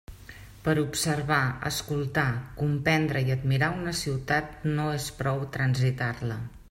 Per a observar, escoltar, comprendre i admirar una ciutat no és prou transitar-la.